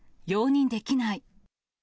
容認できない。